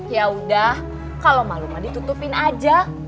ya udah kalo malu mah ditutupin aja